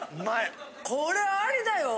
これありだよ！